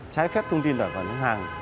trái phép thông tin tài khoản hàng